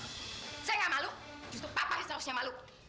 saya enggak malu justru papa yang seharusnya malu